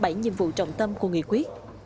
bảy nhiệm vụ trọng tâm của nghị quyết